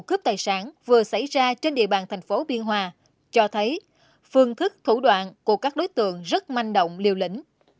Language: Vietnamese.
cướp tài sản vừa xảy ra trên địa bàn thành phố biên hòa cho thấy phương thức thủ đoạn của các đối tượng rất manh động liều lĩnh